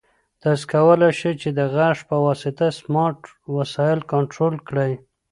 تاسو کولای شئ چې د غږ په واسطه سمارټ وسایل کنټرول کړئ.